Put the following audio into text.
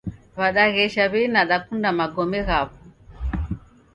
Wadaghesha wei nadakunda magome ghaw'o